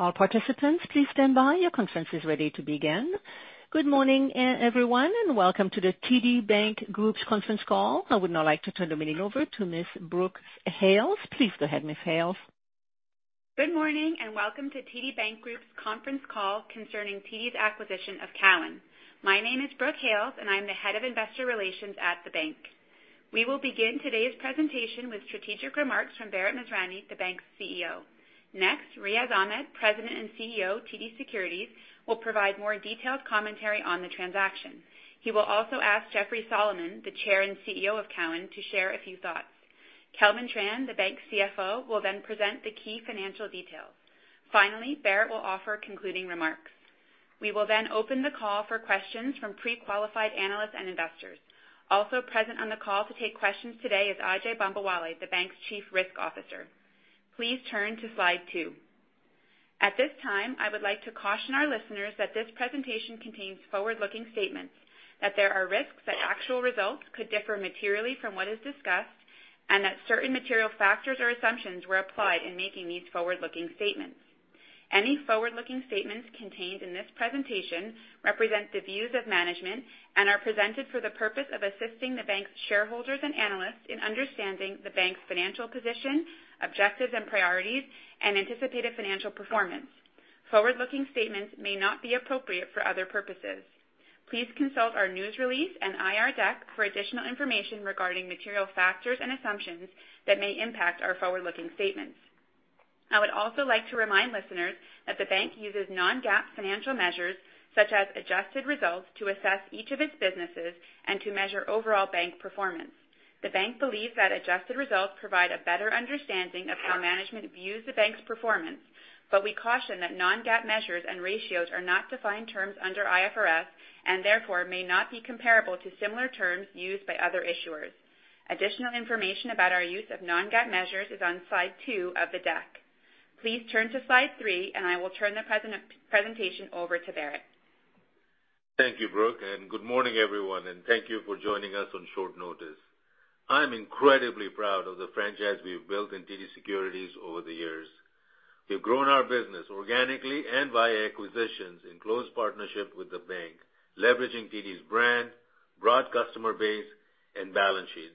All participants, please stand by. Your conference is ready to begin. Good morning, everyone, and welcome to the TD Bank Group conference call. I would now like to turn the meeting over to Ms. Brooke Hales. Please go ahead, Ms. Hales. Good morning, and welcome to TD Bank Group's conference call concerning TD's acquisition of Cowen. My name is Brooke Hales, and I'm the head of investor relations at the bank. We will begin today's presentation with strategic remarks from Bharat Masrani, the bank's CEO. Next, Riaz Ahmed, President and CEO, TD Securities, will provide more detailed commentary on the transaction. He will also ask Jeffrey Solomon, the Chair and CEO of Cowen, to share a few thoughts. Kelvin Tran, the bank's CFO, will then present the key financial details. Finally, Bharat Masrani will offer concluding remarks. We will then open the call for questions from pre-qualified analysts and investors. Also present on the call to take questions today is Ajai Bambawale, the bank's Chief Risk Officer. Please turn to slide two. At this time, I would like to caution our listeners that this presentation contains forward-looking statements, that there are risks that actual results could differ materially from what is discussed, and that certain material factors or assumptions were applied in making these forward-looking statements. Any forward-looking statements contained in this presentation represent the views of management and are presented for the purpose of assisting the bank's shareholders and analysts in understanding the bank's financial position, objectives and priorities, and anticipated financial performance. Forward-looking statements may not be appropriate for other purposes. Please consult our news release and IR deck for additional information regarding material factors and assumptions that may impact our forward-looking statements. I would also like to remind listeners that the bank uses non-GAAP financial measures, such as adjusted results, to assess each of its businesses and to measure overall bank performance. The bank believes that adjusted results provide a better understanding of how management views the bank's performance, but we caution that non-GAAP measures and ratios are not defined terms under IFRS, and therefore, may not be comparable to similar terms used by other issuers. Additional information about our use of non-GAAP measures is on slide two of the deck. Please turn to slide three, and I will turn the presentation over to Bharat Masrani. Thank you, Brooke, and good morning, everyone, and thank you for joining us on short notice. I'm incredibly proud of the franchise we've built in TD Securities over the years. We've grown our business organically and via acquisitions in close partnership with the bank, leveraging TD's brand, broad customer base, and balance sheet.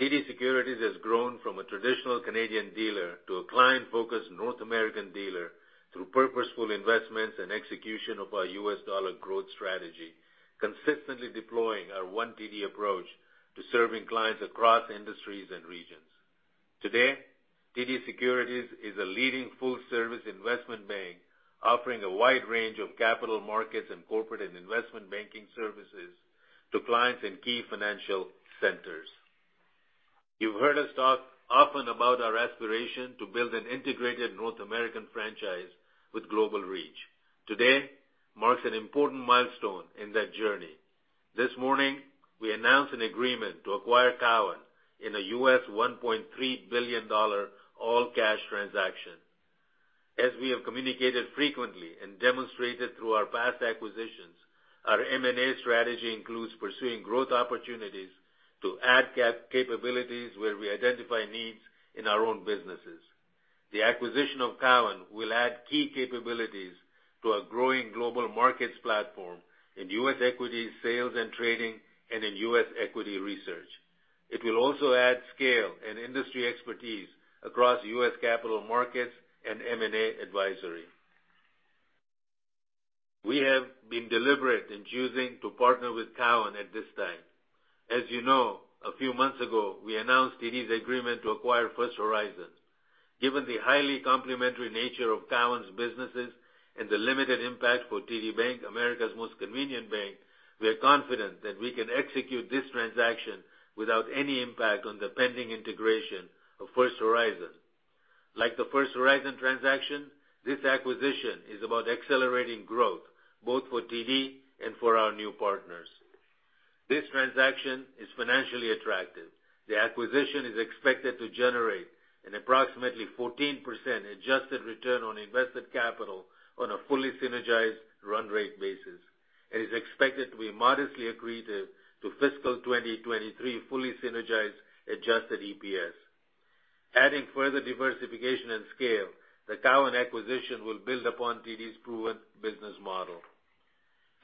TD Securities has grown from a traditional Canadian dealer to a client-focused North American dealer through purposeful investments and execution of our U.S. dollar growth strategy, consistently deploying our one TD approach to serving clients across industries and regions. Today, TD Securities is a leading full-service investment bank, offering a wide range of capital markets and corporate and investment banking services to clients in key financial centers. You've heard us talk often about our aspiration to build an integrated North American franchise with global reach. Today marks an important milestone in that journey. This morning, we announced an agreement to acquire Cowen in a $1.3 billion all-cash transaction. As we have communicated frequently and demonstrated through our past acquisitions, our M&A strategy includes pursuing growth opportunities to add capabilities where we identify needs in our own businesses. The acquisition of Cowen will add key capabilities to our growing global markets platform in U.S. equity, sales and trading, and in U.S. equity research. It will also add scale and industry expertise across U.S. capital markets and M&A advisory. We have been deliberate in choosing to partner with Cowen at this time. As you know, a few months ago, we announced TD's agreement to acquire First Horizon. Given the highly complementary nature of Cowen's businesses and the limited impact for TD Bank, America's Most Convenient Bank, we are confident that we can execute this transaction without any impact on the pending integration of First Horizon. Like the First Horizon transaction, this acquisition is about accelerating growth, both for TD and for our new partners. This transaction is financially attractive. The acquisition is expected to generate an approximately 14% adjusted return on invested capital on a fully synergized run rate basis, and is expected to be modestly accretive to fiscal 2023 fully synergized Adjusted EPS. Adding further diversification and scale, the Cowen acquisition will build upon TD's proven business model.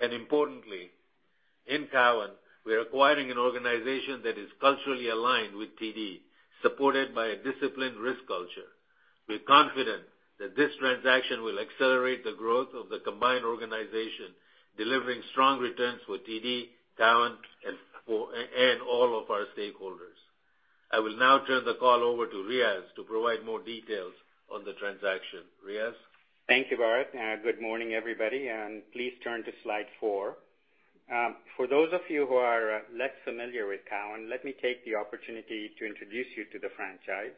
Importantly, in Cowen, we are acquiring an organization that is culturally aligned with TD, supported by a disciplined risk culture. We're confident that this transaction will accelerate the growth of the combined organization, delivering strong returns for TD, Cowen, and all of our stakeholders. I will now turn the call over to Riaz to provide more details on the transaction. Riaz? Thank you, Bharat. Good morning, everybody, and please turn to slide four. For those of you who are less familiar with Cowen, let me take the opportunity to introduce you to the franchise.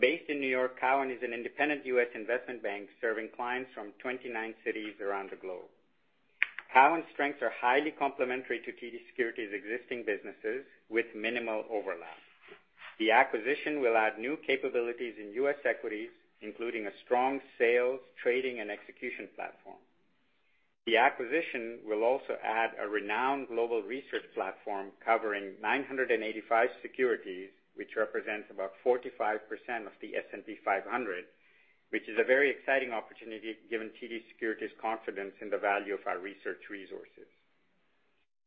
Based in New York, Cowen is an independent U.S. investment bank serving clients from 29 cities around the globe. Cowen's strengths are highly complementary to TD Securities' existing businesses with minimal overlap. The acquisition will add new capabilities in U.S. equities, including a strong sales, trading, and execution platform. The acquisition will also add a renowned global research platform covering 985 securities, which represents about 45% of the S&P 500, which is a very exciting opportunity given TD Securities confidence in the value of our research resources.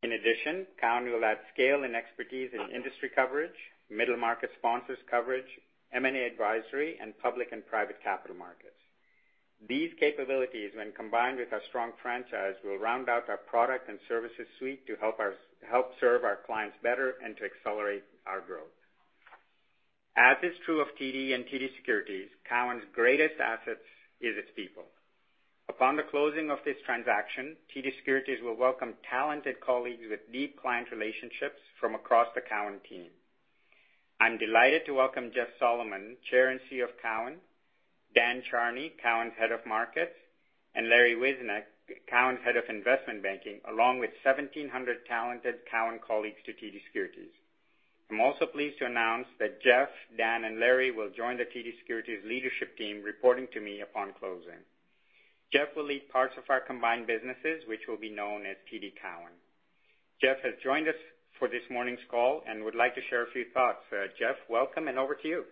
In addition, Cowen will add scale and expertise in industry coverage, middle market sponsors coverage, M&A advisory, and public and private capital markets. These capabilities, when combined with our strong franchise, will round out our product and services suite to help serve our clients better and to accelerate our growth. As is true of TD and TD Securities, Cowen's greatest assets is its people. Upon the closing of this transaction, TD Securities will welcome talented colleagues with deep client relationships from across the Cowen team. I'm delighted to welcome Jeff Solomon, Chair and CEO of Cowen, Dan Charney, Cowen Head of Markets, and Larry Wieseneck, Cowen Head of Investment Banking, along with 1,700 talented Cowen colleagues to TD Securities. I'm also pleased to announce that Jeff, Dan, and Larry will join the TD Securities leadership team, reporting to me upon closing. Jeff will lead parts of our combined businesses, which will be known as TD Cowen. Jeff has joined us for this morning's call and would like to share a few thoughts. Jeff, welcome, and over to you.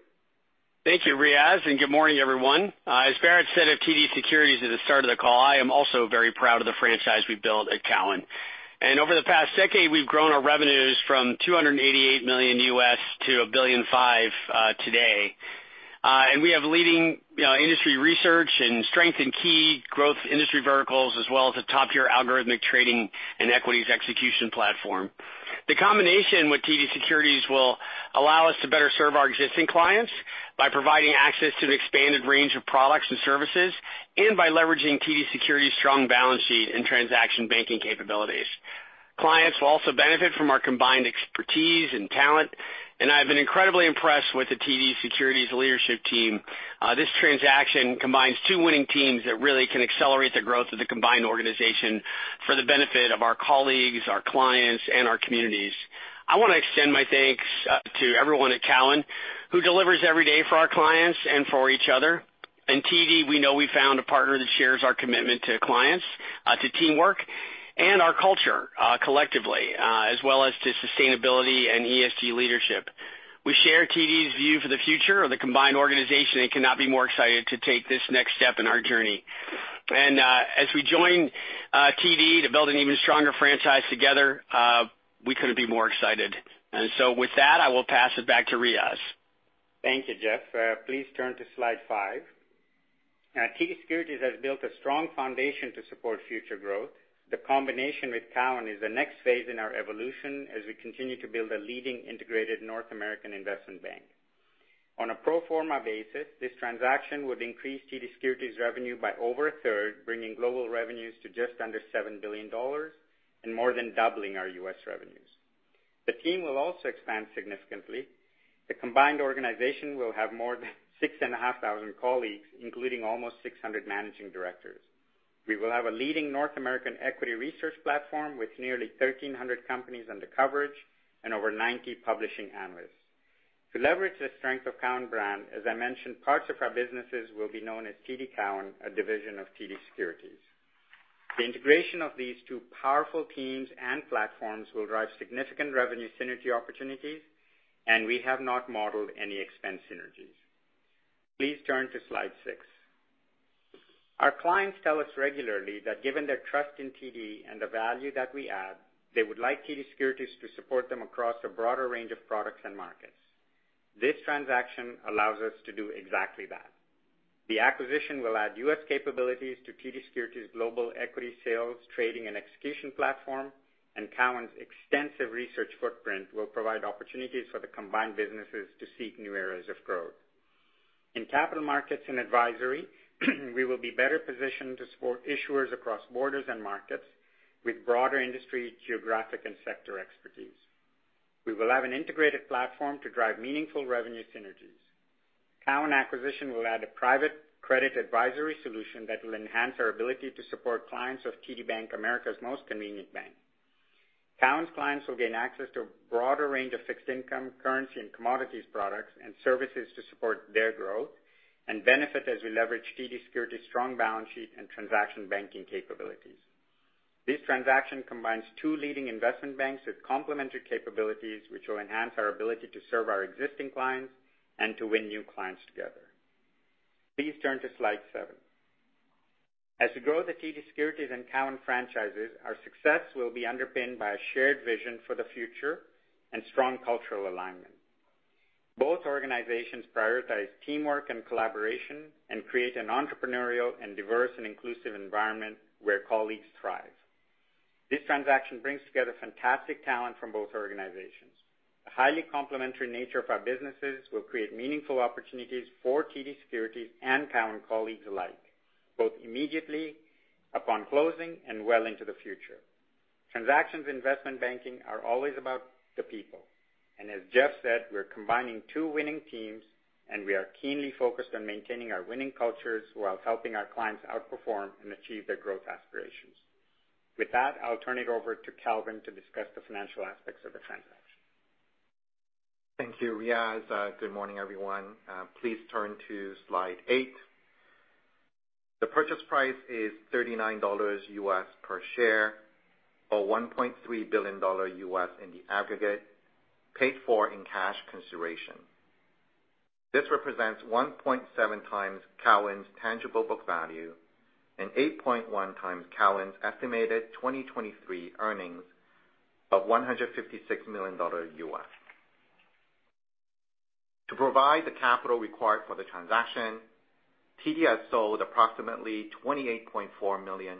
Thank you, Riaz, and good morning, everyone. As Bharat said of TD Securities at the start of the call, I am also very proud of the franchise we built at Cowen. Over the past decade, we've grown our revenues from $288 million to $1.5 billion today. We have leading, you know, industry research and strength in key growth industry verticals, as well as a top-tier algorithmic trading and equities execution platform. The combination with TD Securities will allow us to better serve our existing clients by providing access to an expanded range of products and services, and by leveraging TD Securities' strong balance sheet and transaction banking capabilities. Clients will also benefit from our combined expertise and talent, and I've been incredibly impressed with the TD Securities leadership team. This transaction combines two winning teams that really can accelerate the growth of the combined organization for the benefit of our colleagues, our clients, and our communities. I wanna extend my thanks to everyone at Cowen who delivers every day for our clients and for each other. In TD, we know we found a partner that shares our commitment to clients, to teamwork, and our culture, collectively, as well as to sustainability and ESG leadership. We share TD's view for the future of the combined organization and cannot be more excited to take this next step in our journey. As we join TD to build an even stronger franchise together, we couldn't be more excited. With that, I will pass it back to Riaz. Thank you, Jeff. Please turn to slide five. TD Securities has built a strong foundation to support future growth. The combination with Cowen is the next phase in our evolution as we continue to build a leading integrated North American investment bank. On a pro forma basis, this transaction would increase TD Securities revenue by over a third, bringing global revenues to just under $7 billion and more than doubling our U.S. revenues. The team will also expand significantly. The combined organization will have more than 6,500 colleagues, including almost 600 managing directors. We will have a leading North American equity research platform with nearly 1,300 companies under coverage and over 90 publishing analysts. To leverage the strength of Cowen brand, as I mentioned, parts of our businesses will be known as TD Cowen, a division of TD Securities. The integration of these two powerful teams and platforms will drive significant revenue synergy opportunities, and we have not modeled any expense synergies. Please turn to slide six. Our clients tell us regularly that given their trust in TD and the value that we add, they would like TD Securities to support them across a broader range of products and markets. This transaction allows us to do exactly that. The acquisition will add U.S. capabilities to TD Securities' global equity sales, trading, and execution platform, and Cowen's extensive research footprint will provide opportunities for the combined businesses to seek new areas of growth. In capital markets and advisory, we will be better positioned to support issuers across borders and markets with broader industry, geographic, and sector expertise. We will have an integrated platform to drive meaningful revenue synergies. Cowen acquisition will add a private credit advisory solution that will enhance our ability to support clients of TD Bank, America's Most Convenient Bank. Cowen's clients will gain access to a broader range of fixed income, currency, and commodities products and services to support their growth and benefit as we leverage TD Securities' strong balance sheet and transaction banking capabilities. This transaction combines two leading investment banks with complementary capabilities, which will enhance our ability to serve our existing clients and to win new clients together. Please turn to slide seven. As we grow the TD Securities and Cowen franchises, our success will be underpinned by a shared vision for the future and strong cultural alignment. Both organizations prioritize teamwork and collaboration and create an entrepreneurial and diverse and inclusive environment where colleagues thrive. This transaction brings together fantastic talent from both organizations. The highly complementary nature of our businesses will create meaningful opportunities for TD Securities and Cowen colleagues alike, both immediately upon closing and well into the future. Transactions in investment banking are always about the people, and as Jeff said, we're combining two winning teams, and we are keenly focused on maintaining our winning cultures while helping our clients outperform and achieve their growth aspirations. With that, I'll turn it over to Kelvin to discuss the financial aspects of the transaction. Thank you, Riaz. Good morning, everyone. Please turn to slide eight. The purchase price is $39 per share, or $1.3 billion in the aggregate, paid for in cash consideration. This represents 1.7x Cowen's tangible book value and 8.1x Cowen's estimated 2023 earnings of $156 million. To provide the capital required for the transaction, TD has sold approximately 28.4 million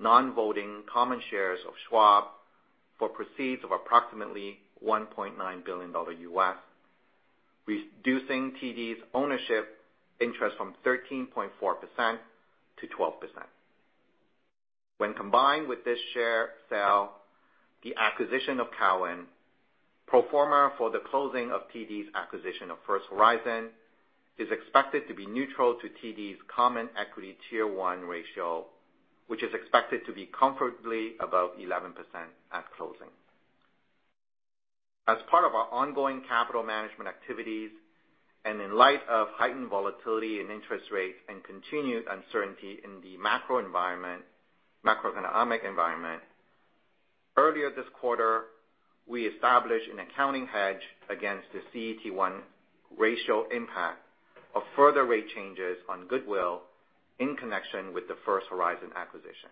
non-voting common shares of Schwab for proceeds of approximately $1.9 billion, reducing TD's ownership interest from 13.4% to 12%. When combined with this share sale, the acquisition of Cowen pro forma for the closing of TD's acquisition of First Horizon is expected to be neutral to TD's common equity tier one ratio, which is expected to be comfortably above 11% at closing. As part of our ongoing capital management activities, and in light of heightened volatility in interest rates and continued uncertainty in the macroeconomic environment, earlier this quarter, we established an accounting hedge against the CET1 ratio impact of further rate changes on goodwill in connection with the First Horizon acquisition.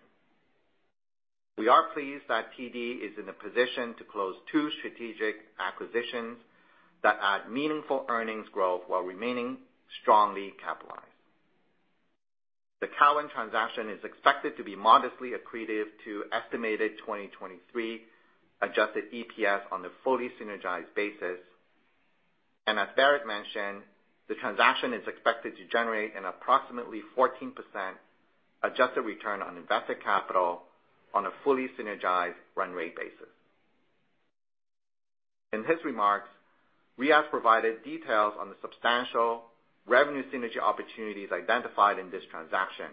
We are pleased that TD is in a position to close two strategic acquisitions that add meaningful earnings growth while remaining strongly capitalized. The Cowen transaction is expected to be modestly accretive to estimated 2023 Adjusted EPS on a fully synergized basis. As Bharat mentioned, the transaction is expected to generate an approximately 14% adjusted return on invested capital on a fully synergized run rate basis. In his remarks, Riaz provided details on the substantial revenue synergy opportunities identified in this transaction.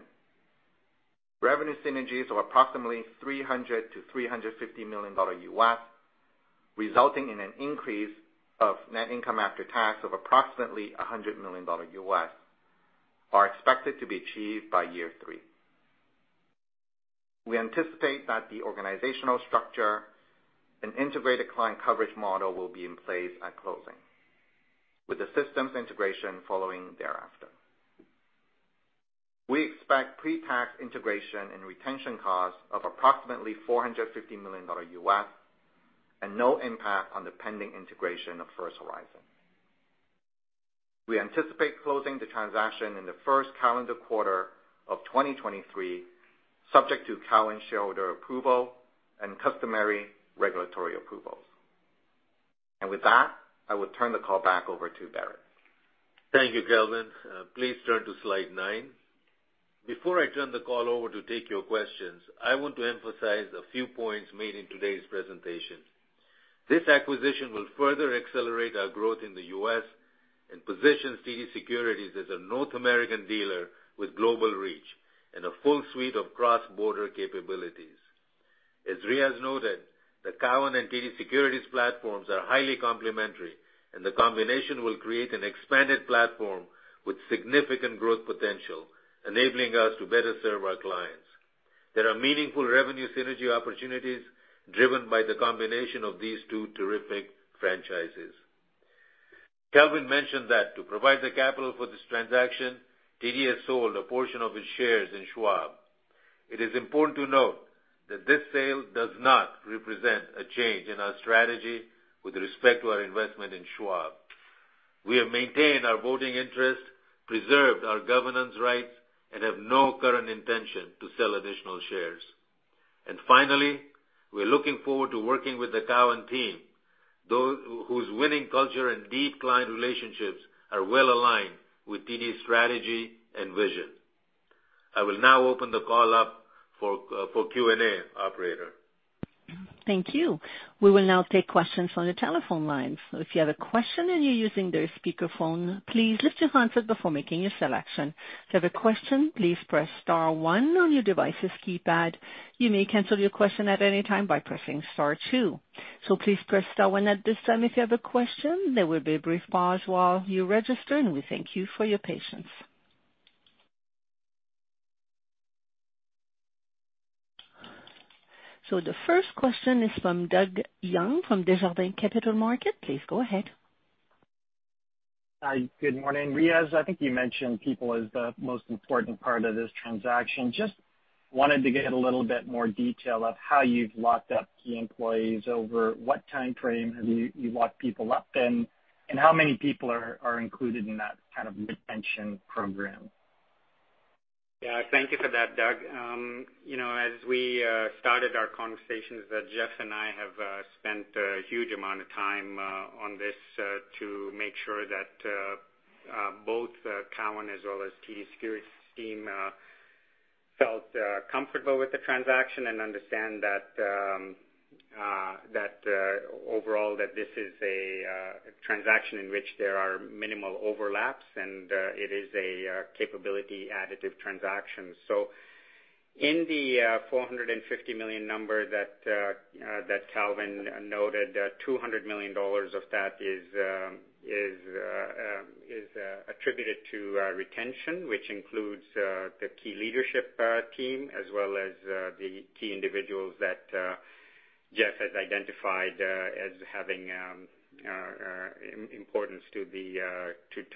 Revenue synergies of approximately $300 million-$350 million, resulting in an increase of net income after tax of approximately $100 million, are expected to be achieved by year three. We anticipate that the organizational structure and integrated client coverage model will be in place at closing, with the systems integration following thereafter. We expect pre-tax integration and retention costs of approximately $450 million and no impact on the pending integration of First Horizon. We anticipate closing the transaction in the first calendar quarter of 2023, subject to Cowen shareholder approval and customary regulatory approvals. With that, I will turn the call back over to Bharat Masrani. Thank you, Kelvin. Please turn to slide nine. Before I turn the call over to take your questions, I want to emphasize a few points made in today's presentation. This acquisition will further accelerate our growth in the U.S. and positions TD Securities as a North American dealer with global reach and a full suite of cross-border capabilities. As Riaz noted, the Cowen and TD Securities platforms are highly complementary, and the combination will create an expanded platform with significant growth potential, enabling us to better serve our clients. There are meaningful revenue synergy opportunities driven by the combination of these two terrific franchises. Kelvin mentioned that to provide the capital for this transaction, TD has sold a portion of its shares in Schwab. It is important to note that this sale does not represent a change in our strategy with respect to our investment in Schwab. We have maintained our voting interest, preserved our governance rights, and have no current intention to sell additional shares. Finally, we're looking forward to working with the Cowen team, whose winning culture and deep client relationships are well aligned with TD's strategy and vision. I will now open the call up for Q&A, operator. Thank you. We will now take questions from the telephone lines. If you have a question and you're using the speakerphone, please lift your handset before making your selection. If you have a question, please press star one on your device's keypad. You may cancel your question at any time by pressing star two. Please press star one at this time if you have a question. There will be a brief pause while you register, and we thank you for your patience. The first question is from Doug Young from Desjardins Capital Markets. Please go ahead. Hi. Good morning. Riaz, I think you mentioned people as the most important part of this transaction. Just wanted to get a little bit more detail of how you've locked up key employees, over what time frame have you locked people up in, and how many people are included in that kind of retention program? Yeah. Thank you for that, Doug. You know, as we started our conversations that Jeff and I have spent a huge amount of time on this to make sure that both Cowen as well as TD Securities team felt comfortable with the transaction and understand that overall that this is a transaction in which there are minimal overlaps and it is a capability additive transaction. So In the $450 million number that Kelvin noted, $200 million of that is attributed to retention, which includes the key leadership team as well as the key individuals that Jeff has identified as having importance to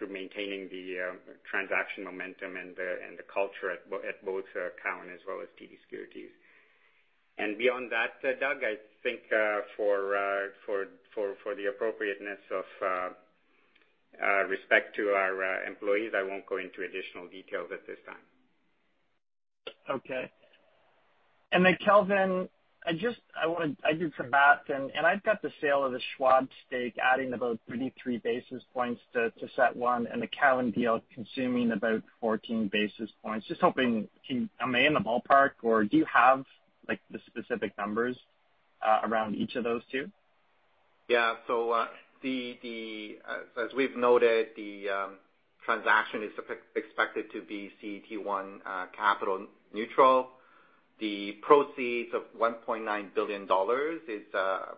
maintaining the transaction momentum and the culture at both Cowen as well as TD Securities. Beyond that, Doug, I think, for the appropriateness out of respect to our employees, I won't go into additional details at this time. Okay. Kelvin, I did some math, and I've got the sale of the Schwab stake adding about 33 basis points to CET1 and the Cowen deal consuming about 14 basis points. Just hoping, am I in the ballpark, or do you have, like, the specific numbers around each of those two? As we've noted, the transaction is expected to be CET1 capital neutral. The proceeds of $1.9 billion is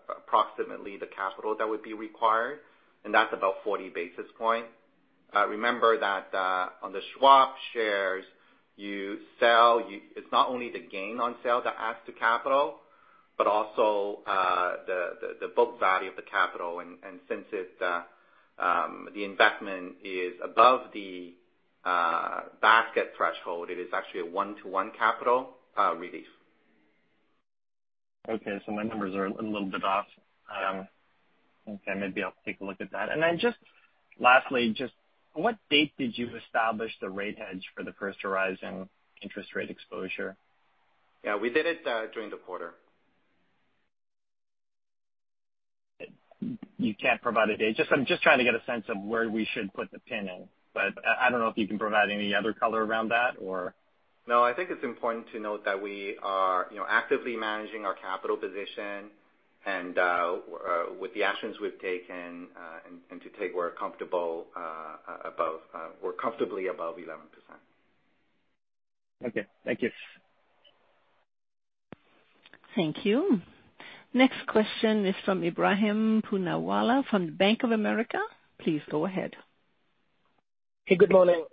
approximately the capital that would be required, and that's about 40 basis points. Remember that, on the Schwab shares, you sell, it's not only the gain on sale that adds to capital, but also, the book value of the capital and since it's, the investment is above the basket threshold, it is actually a one-to-one capital release. Okay, my numbers are a little bit off. Okay, maybe I'll take a look at that. Just lastly, just what date did you establish the rate hedge for the First Horizon interest rate exposure? Yeah, we did it during the quarter. You can't provide a date. I'm just trying to get a sense of where we should put the pin in, but I don't know if you can provide any other color around that or. No, I think it's important to note that we are, you know, actively managing our capital position and with the actions we've taken and to take. We're comfortably above 11%. Okay. Thank you. Thank you. Next question is from Ebrahim Poonawala from Bank of America. Please go ahead. Hey, good morning.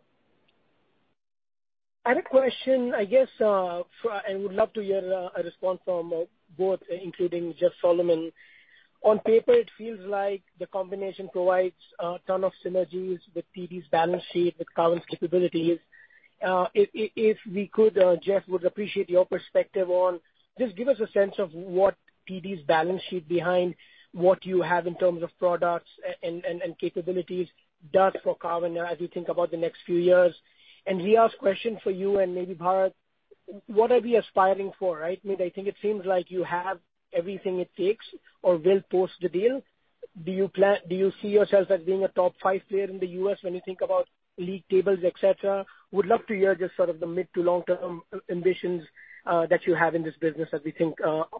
I had a question, I guess, for—I would love to hear a response from both, including Jeff Solomon. On paper, it feels like the combination provides a ton of synergies with TD's balance sheet, with Cowen's capabilities. If we could, Jeff, would appreciate your perspective on just give us a sense of what TD's balance sheet behind what you have in terms of products and capabilities does for Cowen as we think about the next few years. Riaz Ahmed, question for you and maybe Bharat Masrani, what are we aspiring for, right? I mean, I think it seems like you have everything it takes or will post the deal. Do you see yourselves as being a top five player in the U.S. when you think about league tables, et cetera? Would love to hear just sort of the mid to long-term ambitions that you have in this business as we think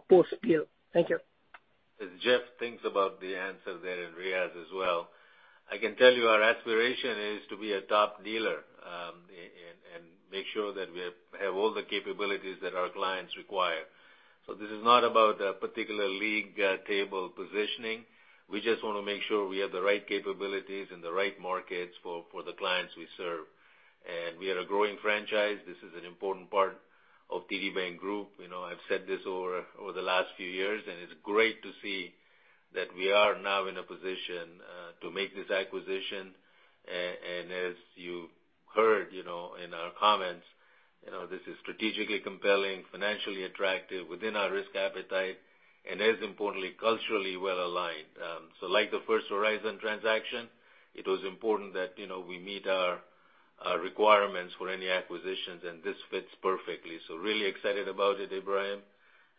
post deal. Thank you. As Jeff thinks about the answer there and Riaz as well, I can tell you our aspiration is to be a top dealer, and make sure that we have all the capabilities that our clients require. This is not about a particular league table positioning. We just want to make sure we have the right capabilities in the right markets for the clients we serve. We are a growing franchise. This is an important part of TD Bank Group. You know, I've said this over the last few years, and it's great to see that we are now in a position to make this acquisition. As you heard, you know, in our comments, you know, this is strategically compelling, financially attractive within our risk appetite, and as importantly, culturally well aligned. Like the First Horizon transaction, it was important that we meet our requirements for any acquisitions, and this fits perfectly. Really excited about it,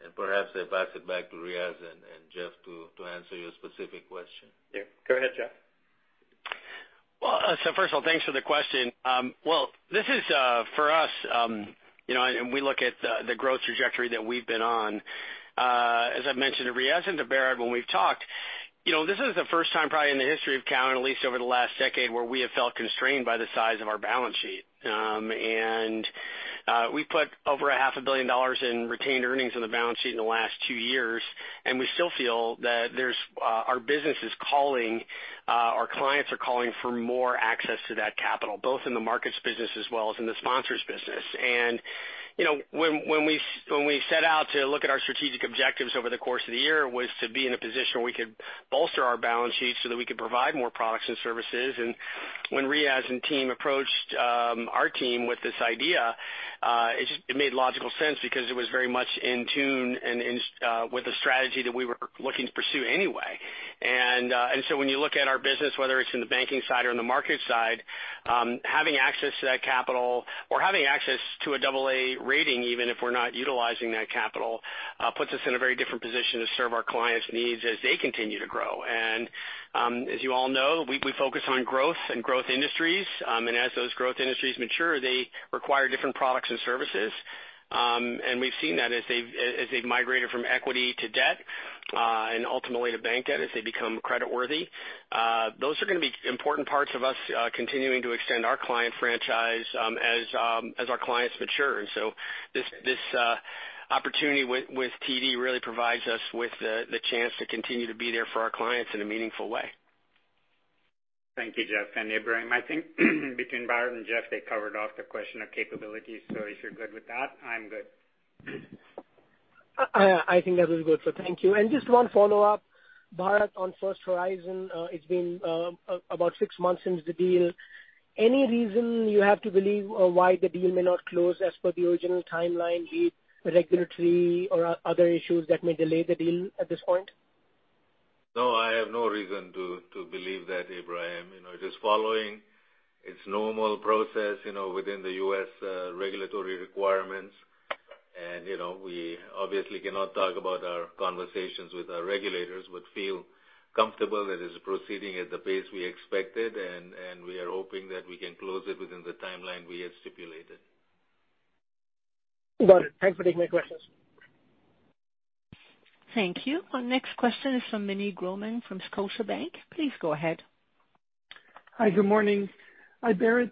Ebrahim. Perhaps I pass it back to Riaz and Jeff to answer your specific question. Yeah. Go ahead, Jeff. Well, first of all, thanks for the question. Well, this is for us, you know, and we look at the growth trajectory that we've been on. As I've mentioned to Riaz and to Bharat when we've talked, you know, this is the first time probably in the history of Cowen, at least over the last decade, where we have felt constrained by the size of our balance sheet. We put over half a billion dollars in retained earnings on the balance sheet in the last two years, and we still feel that there's our business is calling, our clients are calling for more access to that capital, both in the markets business as well as in the sponsors business. You know, when we set out to look at our strategic objectives over the course of the year was to be in a position where we could bolster our balance sheet so that we could provide more products and services. When Riaz and team approached our team with this idea, it just made logical sense because it was very much in tune and in sync with the strategy that we were looking to pursue anyway. When you look at our business, whether it's in the banking side or in the market side, having access to that capital or having access to a double A rating, even if we're not utilizing that capital, puts us in a very different position to serve our clients' needs as they continue to grow. As you all know, we focus on growth and growth industries. As those growth industries mature, they require different products and services. We've seen that as they've migrated from equity to debt, and ultimately to bank debt as they become creditworthy. Those are gonna be important parts of our continuing to extend our client franchise, as our clients mature. This opportunity with TD really provides us with the chance to continue to be there for our clients in a meaningful way. Thank you, Jeff and Ebrahim. I think between Bharat and Jeff, they covered off the question of capabilities. If you're good with that, I'm good. I think that was good. Thank you. Just one follow-up, Bharat, on First Horizon. It's been about six months since the deal. Any reason you have to believe or why the deal may not close as per the original timeline, be it regulatory or other issues that may delay the deal at this point? No, I have no reason to believe that, Ebrahim. You know, just following its normal process, you know, within the U.S. regulatory requirements. You know, we obviously cannot talk about our conversations with our regulators, but feel comfortable that it's proceeding at the pace we expected, and we are hoping that we can close it within the timeline we have stipulated. Got it. Thanks for taking my questions. Thank you. Our next question is from Meny Grauman from Scotiabank. Please go ahead. Hi, good morning. Hi, Bharat.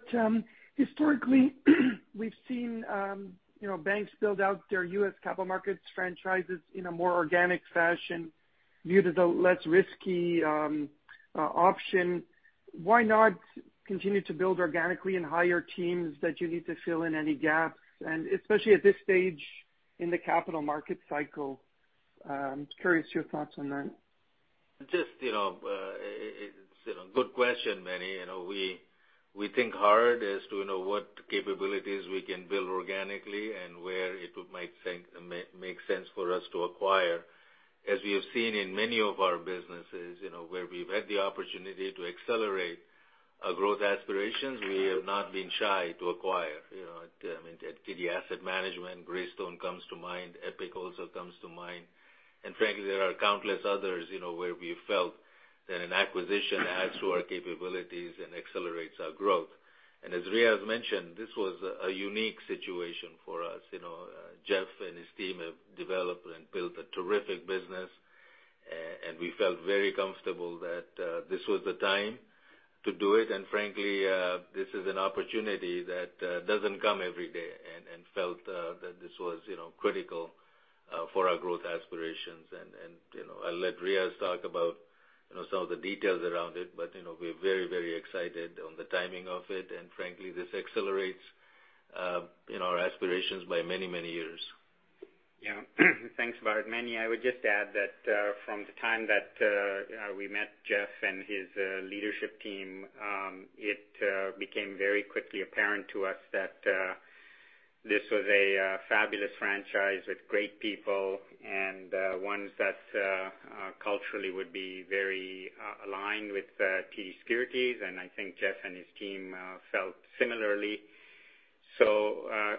Historically, we've seen, you know, banks build out their U.S. capital markets franchises in a more organic fashion due to the less risky option. Why not continue to build organically and hire teams that you need to fill in any gaps? Especially at this stage in the capital market cycle. Curious your thoughts on that. It's good question, Meny. We think hard as to what capabilities we can build organically and where it might make sense for us to acquire. We have seen in many of our businesses where we've had the opportunity to accelerate our growth aspirations, we have not been shy to acquire. I mean, at TD Asset Management, Greystone comes to mind. Epoch also comes to mind. Frankly, there are countless others where we felt that an acquisition adds to our capabilities and accelerates our growth. As Riaz mentioned, this was a unique situation for us. Jeff and his team have developed and built a terrific business, and we felt very comfortable that this was the time to do it. Frankly, this is an opportunity that doesn't come every day and felt that this was, you know, critical for our growth aspirations. You know, I'll let Riaz talk about, you know, some of the details around it, but, you know, we're very, very excited on the timing of it. Frankly, this accelerates, you know, our aspirations by many, many years. Yeah. Thanks, Bharat. Meny, I would just add that from the time that we met Jeff and his leadership team, it became very quickly apparent to us that this was a fabulous franchise with great people and ones that culturally would be very aligned with TD Securities, and I think Jeff and his team felt similarly.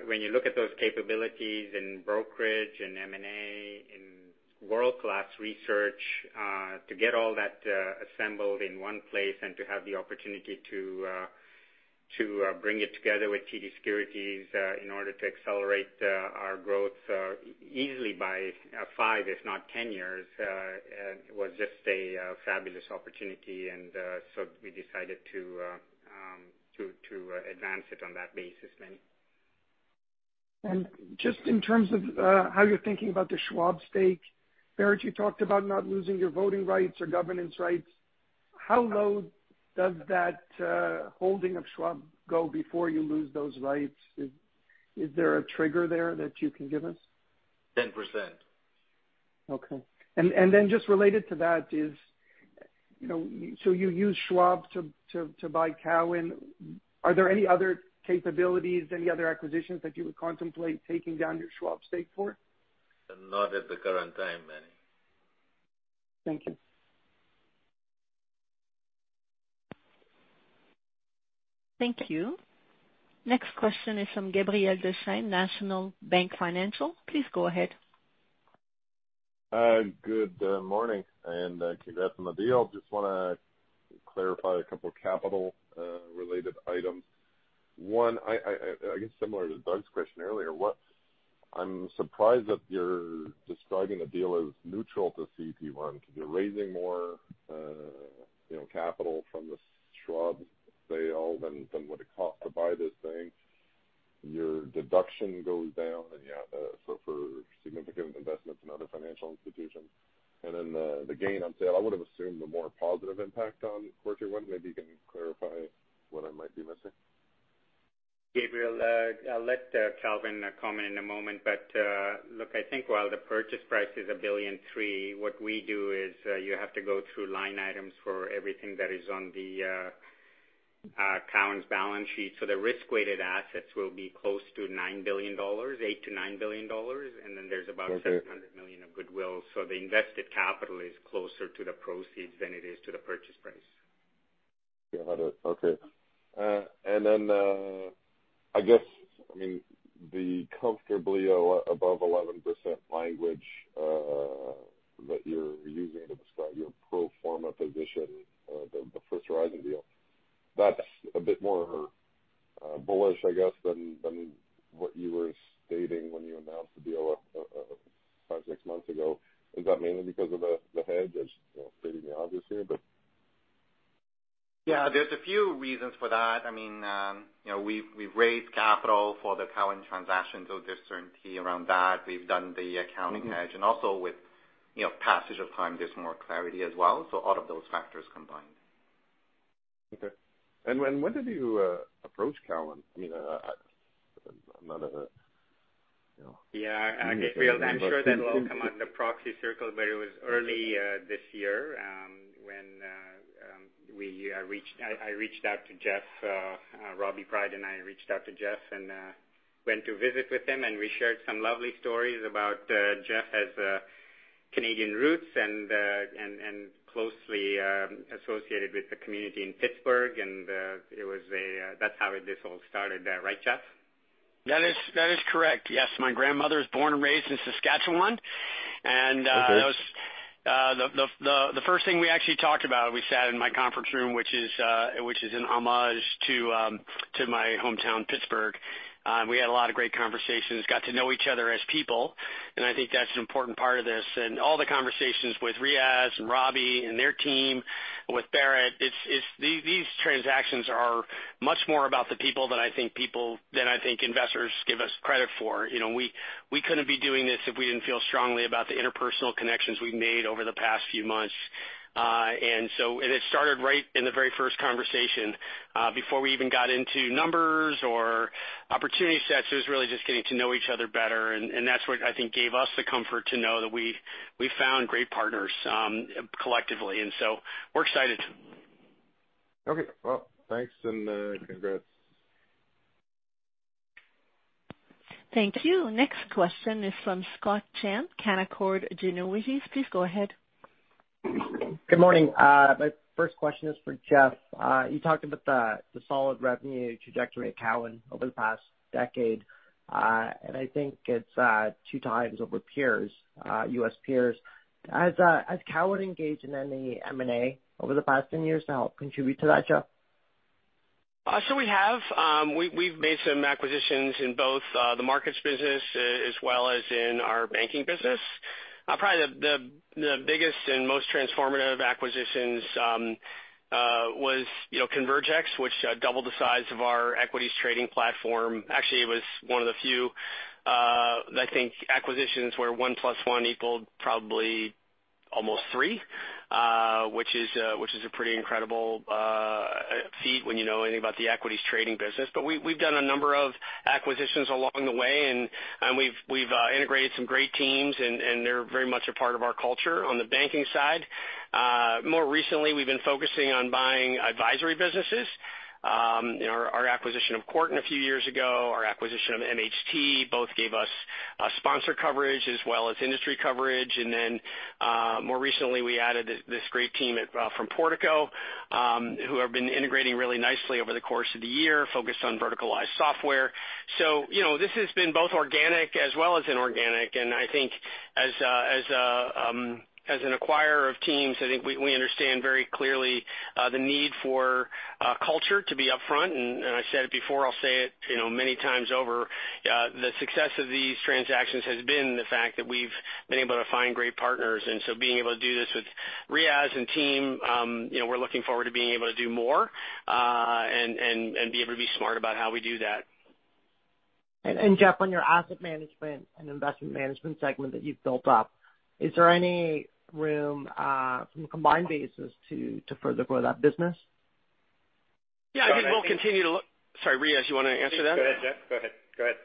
When you look at those capabilities in brokerage, in M&A, in world-class research to get all that assembled in one place and to have the opportunity to bring it together with TD Securities in order to accelerate our growth easily by five if not 10 years was just a fabulous opportunity. We decided to advance it on that basis, Meny. Just in terms of how you're thinking about the Schwab stake, Bharat, you talked about not losing your voting rights or governance rights. How low does that holding of Schwab go before you lose those rights? Is there a trigger there that you can give us? 10%. Okay. Just related to that is, you know, so you used Schwab to buy Cowen. Are there any other capabilities, any other acquisitions that you would contemplate taking down your Schwab stake for? Not at the current time, Manny. Thank you. Thank you. Next question is from Gabriel Dechaine, National Bank Financial. Please go ahead. Good morning and congrats on the deal. Just wanna clarify a couple of capital related items. One, I guess similar to Doug's question earlier, I'm surprised that you're describing the deal as neutral to CET1 because you're raising more, you know, capital from the Schwab sale than what it cost to buy this thing. Your deduction goes down and you have for significant investments in other financial institutions. Then the gain on sale, I would have assumed a more positive impact on core CET1. Maybe you can clarify what I might be missing. Gabriel, I'll let Kelvin comment in a moment, but look, I think while the purchase price is $1.3 billion, what we do is you have to go through line items for everything that is on the Cowen’s balance sheet. The risk-weighted assets will be close to $9 billion, $8 billion-$9 billion. Then there’s about $700 million of goodwill. The invested capital is closer to the proceeds than it is to the purchase price. Got it. Okay. I guess, I mean, the comfortably above 11% language that you're using to describe your pro forma position, the First Horizon deal, that's a bit more bullish, I guess, than what you were stating when you announced the deal five, six months ago. Is that mainly because of the hedge? It's, you know, pretty obvious here, but. Yeah, there are a few reasons for that. I mean, you know, we've raised capital for the Cowen transaction, so there's certainty around that. We've done the accounting hedge. You know, passage of time gives more clarity as well. A lot of those factors combined. Okay. When did you approach Cowen? I mean, I'm not a you know. Yeah, I'm sure that'll all come out in the proxy circular, but it was early this year when I reached out to Jeff and Robbie Pryde and went to visit with him, and we shared some lovely stories about Jeff has Canadian roots and closely associated with the community in Pittsburgh. It was... That's how this all started, right, Jeff? That is correct. Yes. My grandmother was born and raised in Saskatchewan. Okay. That was the first thing we actually talked about. We sat in my conference room, which is an homage to my hometown, Pittsburgh. We had a lot of great conversations, got to know each other as people, and I think that's an important part of this. All the conversations with Riaz and Robbie and their team, with Bharat, it's these transactions are much more about the people than I think investors give us credit for. You know, we couldn't be doing this if we didn't feel strongly about the interpersonal connections we've made over the past few months. It had started right in the very first conversation before we even got into numbers or opportunity sets. It was really just getting to know each other better, and that's what I think gave us the comfort to know that we found great partners, collectively, and so we're excited. Okay. Well, thanks and congrats. Thank you. Next question is from Scott Chan, Canaccord Genuity. Please go ahead. Good morning. My first question is for Jeff. You talked about the solid revenue trajectory at Cowen over the past decade, and I think it's 2x over peers, U.S. peers. Has Cowen engaged in any M&A over the past 10 years to help contribute to that, Jeff? We've made some acquisitions in both the markets business as well as in our banking business. Probably the biggest and most transformative acquisitions was, you know, Convergex, which doubled the size of our equities trading platform. Actually, it was one of the few I think acquisitions where 1+1 equaled probably almost three, which is a pretty incredible feat when you know anything about the equities trading business. We've done a number of acquisitions along the way, and we've integrated some great teams and they're very much a part of our culture on the banking side. More recently, we've been focusing on buying advisory businesses. You know, our acquisition of Cowen a few years ago, our acquisition of MHT Partners both gave us sponsor coverage as well as industry coverage. Then, more recently, we added this great team from Portico Capital, who have been integrating really nicely over the course of the year, focused on verticalized software. You know, this has been both organic as well as inorganic. I think as an acquirer of teams, I think we understand very clearly the need for culture to be upfront. I said it before, I'll say it, you know, many times over, the success of these transactions has been the fact that we've been able to find great partners. Being able to do this with Riaz and team, you know, we're looking forward to being able to do more, and be able to be smart about how we do that. Jeff, on your asset management and investment management segment that you've built up, is there any room, from a combined basis to further grow that business? Yeah, I think we'll continue to look. Sorry, Riaz, you wanna answer that? Go ahead, Jeff. Go ahead. Go ahead.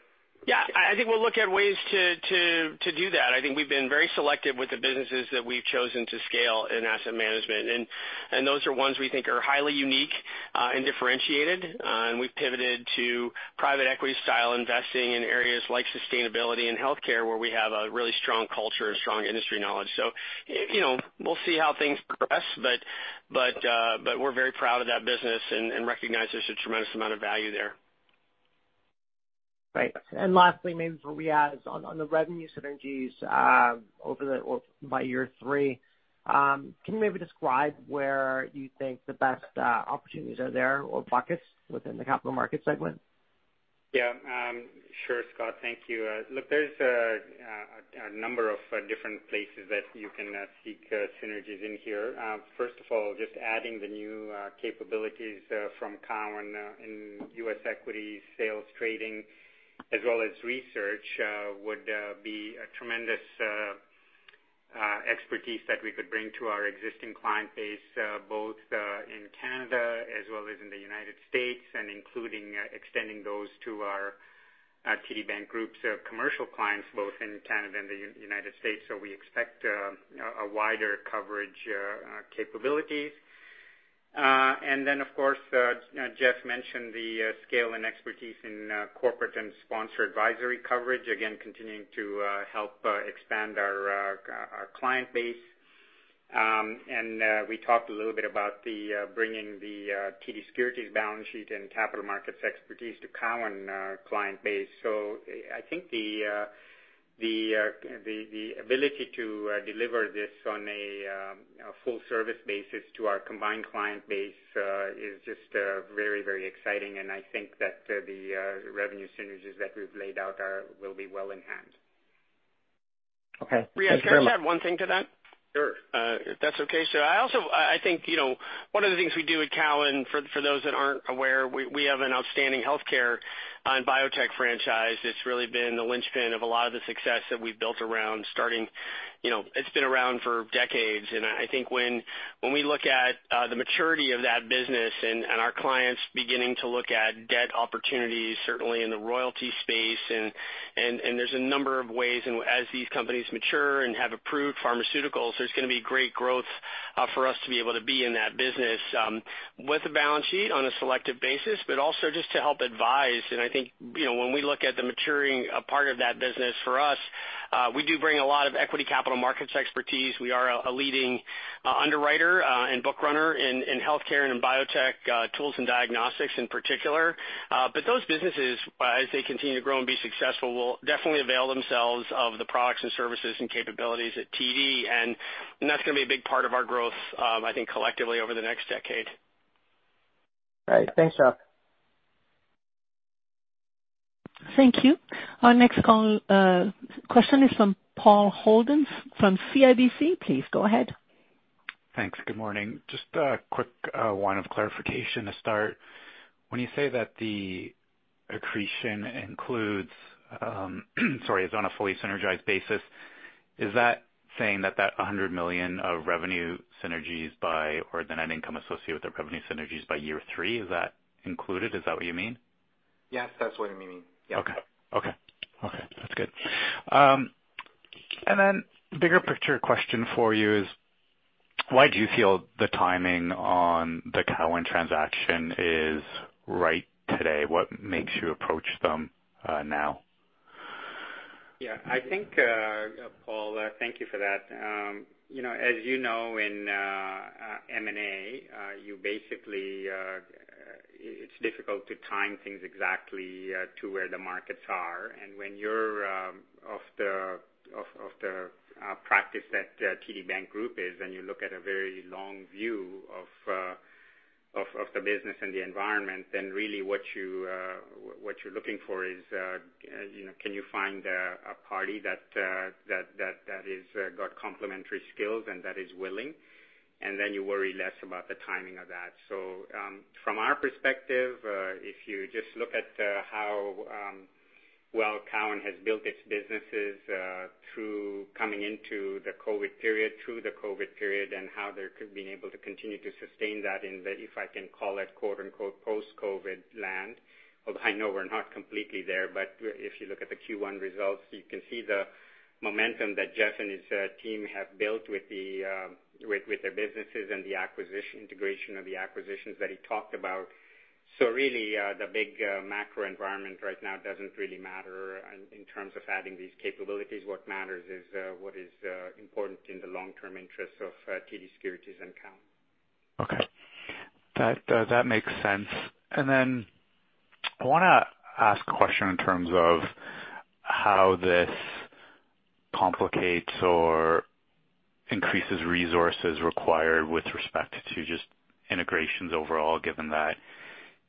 Yeah. I think we'll look at ways to do that. I think we've been very selective with the businesses that we've chosen to scale in asset management, and those are ones we think are highly unique, and differentiated. And we've pivoted to private equity style investing in areas like sustainability and healthcare, where we have a really strong culture and strong industry knowledge. You know, we'll see how things progress, but we're very proud of that business and recognize there's a tremendous amount of value there. Right. Lastly, maybe for Riaz, on the revenue synergies, or by year three, can you maybe describe where you think the best opportunities are there or buckets within the capital markets segment? Yeah. Sure, Scott. Thank you. Look, there's a number of different places that you can seek synergies in here. First of all, just adding the new capabilities from Cowen in U.S. equity, sales trading, as well as research, would be a tremendous expertise that we could bring to our existing client base, both in Canada as well as in the United States and including extending those to our TD Bank Group, our commercial clients both in Canada and the United States. We expect a wider coverage capabilities. And then, of course, Jeff mentioned the scale and expertise in corporate and sponsor advisory coverage, again, continuing to help expand our client base. We talked a little bit about bringing the TD Securities balance sheet and capital markets expertise to Cowen client base. I think the ability to deliver this on a full service basis to our combined client base is just very, very exciting. I think that the revenue synergies that we've laid out will be well enhanced. Okay. Riaz, can I just add one thing to that? Sure. If that's okay. I also think, you know, one of the things we do at Cowen, for those that aren't aware, we have an outstanding healthcare and biotech franchise. It's really been the linchpin of a lot of the success that we've built around. You know, it's been around for decades. I think when we look at the maturity of that business and our clients beginning to look at debt opportunities, certainly in the royalty space, there's a number of ways in, as these companies mature and have approved pharmaceuticals, there's gonna be great growth for us to be able to be in that business, with a balance sheet on a selective basis, but also just to help advise. I think, you know, when we look at the maturing part of that business for us, we do bring a lot of equity capital markets expertise. We are a leading underwriter and book runner in healthcare and in biotech tools and diagnostics in particular. But those businesses as they continue to grow and be successful, will definitely avail themselves of the products and services and capabilities at TD. And that's gonna be a big part of our growth, I think collectively over the next decade. Great. Thanks, Jeff. Thank you. Our next question is from Paul Holden from CIBC. Please go ahead. Thanks. Good morning. Just a quick one for clarification to start. When you say that the accretion is on a fully synergized basis, is that saying that $100 million of revenue synergies by year three, or the net income associated with the revenue synergies by year three, is that included? Is that what you mean? Yes, that's what we mean. Yep. Okay, that's good. Bigger picture question for you is why do you feel the timing on the Cowen transaction is right today? What makes you approach them now? Yeah, I think, Paul, thank you for that. You know, as you know, in M&A, you basically, it's difficult to time things exactly, to where the markets are. When you're of the practice that TD Bank Group is, and you look at a very long view of the business and the environment, then really what you're looking for is, you know, can you find a party that is got complementary skills and that is willing, and then you worry less about the timing of that. From our perspective, if you just look at how well Cowen has built its businesses through coming into the COVID period, through the COVID period, and how they're being able to continue to sustain that in the, if I can call it, quote-unquote, post-COVID land, although I know we're not completely there. If you look at the Q1 results, you can see the momentum that Jeff and his team have built with their businesses and the acquisition integration of the acquisitions that he talked about. Really, the big macro environment right now doesn't really matter in terms of adding these capabilities. What matters is what is important in the long term interests of TD Securities and Cowen. Okay. That makes sense. I wanna ask a question in terms of how this complicates or increases resources required with respect to just integrations overall, given that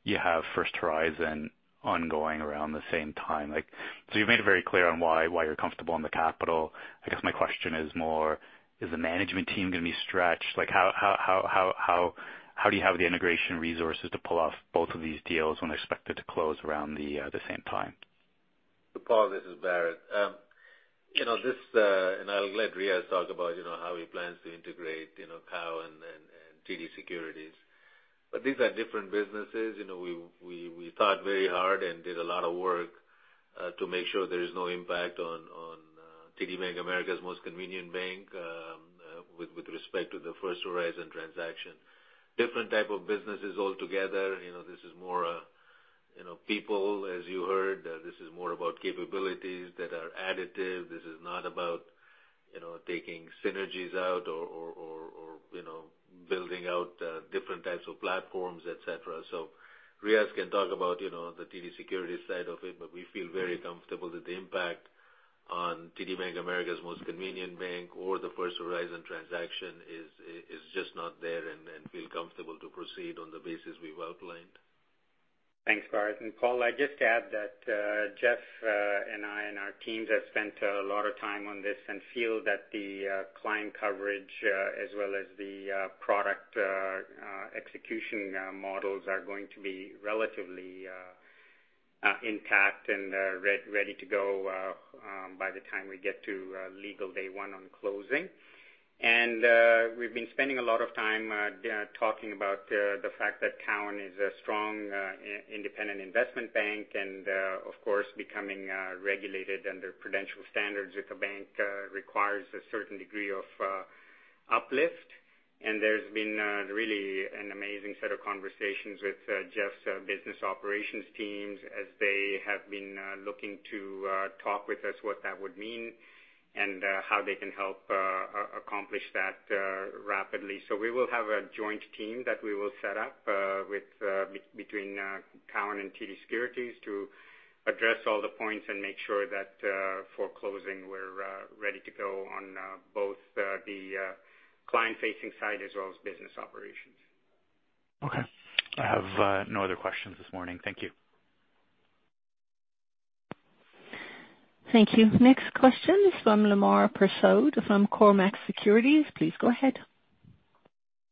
you have First Horizon ongoing around the same time. Like, so you've made it very clear on why you're comfortable on the capital. I guess my question is more, is the management team gonna be stretched? Like how do you have the integration resources to pull off both of these deals when they're expected to close around the same time? Paul, this is Bharat. You know, this and I'll let Riaz talk about you know how he plans to integrate you know Cowen and TD Securities. These are different businesses. You know, we thought very hard and did a lot of work to make sure there is no impact on TD Bank, America's Most Convenient Bank with respect to the First Horizon transaction. Different type of businesses altogether. You know, this is more you know people, as you heard, this is more about capabilities that are additive. This is not about you know taking synergies out or you know building out different types of platforms, et cetera. Riaz can talk about, you know, the TD Securities side of it, but we feel very comfortable that the impact on TD Bank, America's Most Convenient Bank or the First Horizon transaction is just not there and feel comfortable to proceed on the basis we well planned. Thanks, Bharat. Paul, I just add that, Jeff, and I and our teams have spent a lot of time on this and feel that the, client coverage, as well as the, product, execution, models are going to be relatively, intact and, ready to go, by the time we get to, legal day one on closing. We've been spending a lot of time, talking about, the fact that Cowen is a strong, independent investment bank and, of course, becoming, regulated under prudential standards with the bank, requires a certain degree of, uplift. There's been really an amazing set of conversations with Jeff's business operations teams as they have been looking to talk with us what that would mean and how they can help accomplish that rapidly. We will have a joint team that we will set up with between Cowen and TD Securities to address all the points and make sure that for closing, we're ready to go on both the client-facing side as well as business operations. Okay. I have no other questions this morning. Thank you. Thank you. Next question is from Lemar Persaud from Cormark Securities. Please go ahead.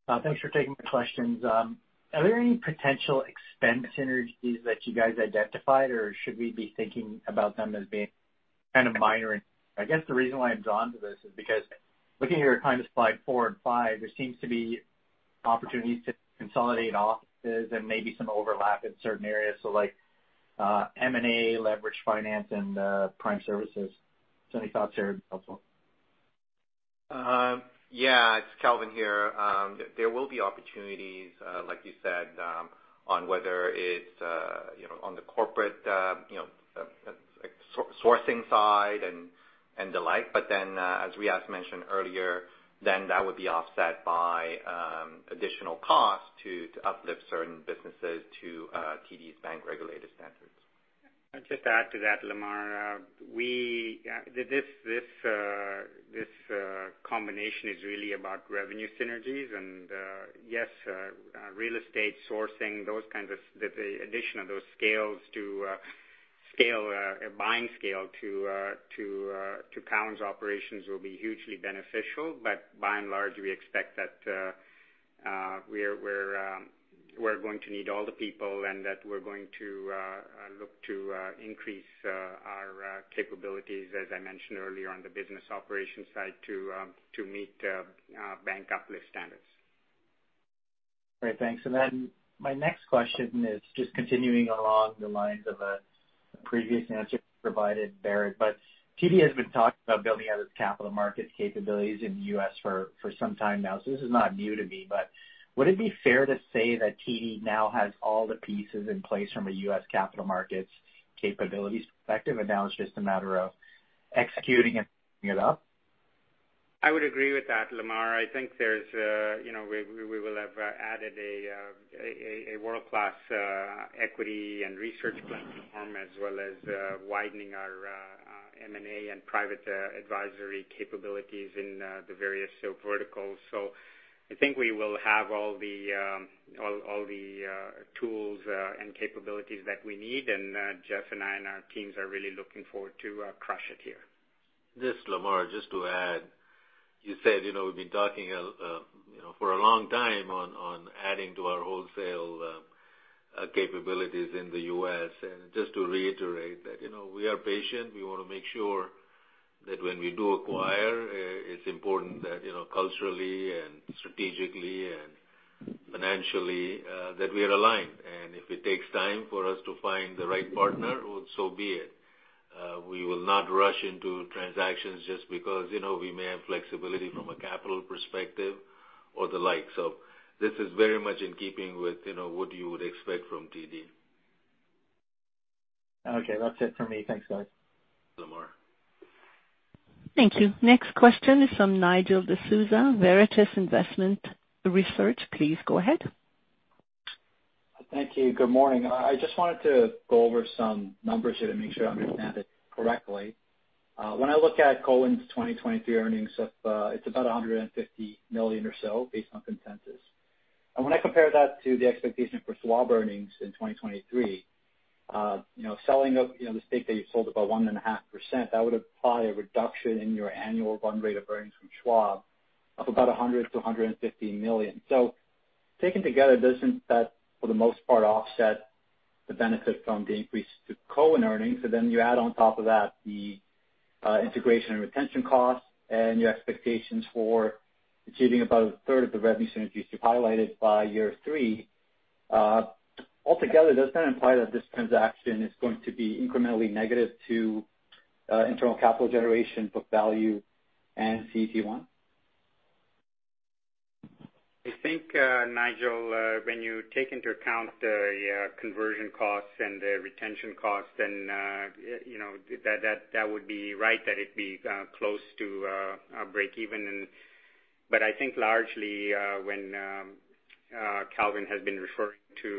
Thanks for taking the questions. Are there any potential expense synergies that you guys identified, or should we be thinking about them as being kind of minor? I guess the reason why I'm drawn to this is because looking at your client slide four and five, there seems to be opportunities to consolidate offices and maybe some overlap in certain areas, so like, M&A, leverage finance and, prime services. Any thoughts here would be helpful. Yeah, it's Kelvin here. There will be opportunities, like you said, on whether it's, you know, on the corporate, you know, sourcing side and the like, but as Riaz mentioned earlier, that would be offset by additional costs to uplift certain businesses to TD's bank regulatory standards. I'll just add to that, Lemar. This combination is really about revenue synergies and, yes, real estate sourcing, those kinds of the addition of those scales to scale buying scale to Cowen’s operations will be hugely beneficial. By and large, we expect that we're going to need all the people and that we're going to look to increase our capabilities, as I mentioned earlier, on the business operations side to meet our bank uplift standards. Great. Thanks. My next question is just continuing along the lines of a previous answer provided, Bharat. TD has been talking about building out its capital markets capabilities in the U.S. for some time now, so this is not new to me. Would it be fair to say that TD now has all the pieces in place from a U.S. capital markets capabilities perspective, and now it's just a matter of executing it and building it up? I would agree with that, Lemar. I think there's you know we will have added a world-class equity and research platform, as well as widening our M&A and private advisory capabilities in the various verticals. I think we will have all the tools and capabilities that we need. Jeff and I and our teams are really looking forward to crush it here. This Lemar. Just to add, you said, you know, we've been talking, you know, for a long time on adding to our wholesale capabilities in the U.S. Just to reiterate that, you know, we are patient. We wanna make sure that when we do acquire, it's important that, you know, culturally and strategically and financially, that we are aligned. If it takes time for us to find the right partner, well, so be it. We will not rush into transactions just because, you know, we may have flexibility from a capital perspective or the like. This is very much in keeping with, you know, what you would expect from TD. Okay. That's it for me. Thanks, guys. Lamar. Thank you. Next question is from Nigel D'Souza, Veritas Investment Research. Please go ahead. Thank you. Good morning. I just wanted to go over some numbers here to make sure I understand it correctly. When I look at Cowen's 2023 earnings of, it's about $150 million or so based on consensus. When I compare that to the expectation for Schwab earnings in 2023, you know, sale of, you know, the stake that you sold about 1.5%, that would imply a reduction in your annual run rate of earnings from Schwab of about $100 million-$150 million. Taken together, does that, for the most part, offset the benefit from the increase to Cowen earnings? You add on top of that the integration and retention costs and your expectations for achieving about a third of the revenue synergies you've highlighted by year three. Altogether, does that imply that this transaction is going to be incrementally negative to internal capital generation book value and CET1? I think, Nigel, when you take into account the conversion costs and the retention costs and, you know, that would be right, that it'd be close to a break even and. I think largely, when Kelvin has been referring to